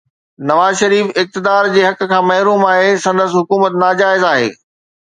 نواز شريف اقتدار جي حق کان محروم آهي، سندس حڪومت ناجائز آهي.